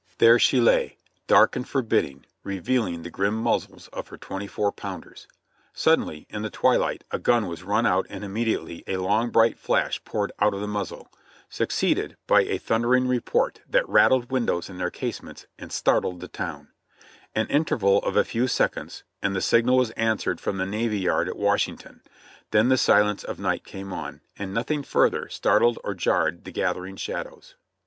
There she lay, dark and forbidding, revealing the grim muzzles of her twenty four pounders. Suddenly in the twilight a gun was run out and immediately a long, bright flash poured out of the muzzle, succeeded by a thundering report that rattled windows in their casements and startled the town; an interval of a few sec onds and the signal was answered from the Navy Yard at Wash ington; then the silence of night came on, and nothing further startled or jarred the gathering shadows.